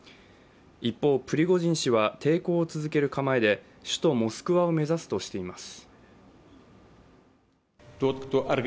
一方、プリゴジン氏は抵抗を続ける構えで首都モスクワを目指すとしています。